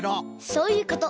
そういうこと。